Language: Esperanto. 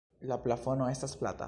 La plafono estas plata.